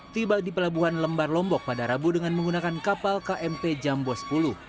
tiba di pelabuhan lembar lombok pada rabu dengan menggunakan kapal kmp jambo sepuluh